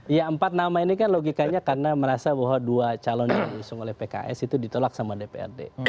ya empat nama ini kan logikanya karena merasa bahwa dua calon yang diusung oleh pks itu ditolak sama dprd